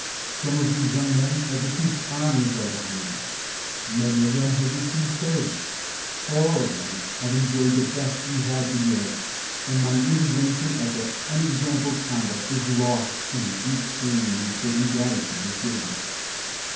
Some of these young men have received honors at our hands; many of them have received favors; all of them have enjoyed the best we had to give: and my indignation at their unexampled conduct is lost in the deep pain which their ingratitude has given me."